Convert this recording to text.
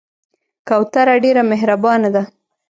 کوتره ډېر مهربانه ده.